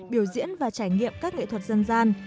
biểu diễn và trải nghiệm các nghệ thuật dân gian